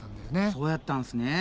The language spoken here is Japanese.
そうやったんすね。